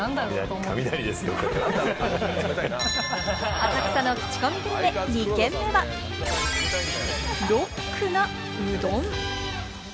浅草のクチコミグルメ、２軒目は、ロックなうどん。